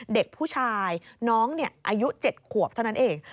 เด็กผู้ชายน้องอายุ๗ขวบเท่านั้นเอง